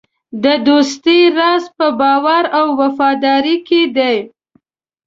د دوستۍ راز په باور او وفادارۍ کې دی.